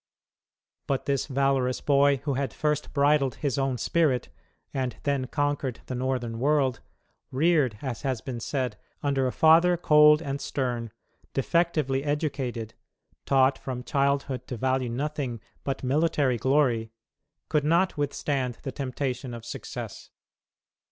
But this valorous boy, who had first bridled his own spirit, and then conquered the Northern world, "reared," as has been said, "under a father cold and stern, defectively educated, taught from childhood to value nothing but military glory," could not withstand the temptation of success.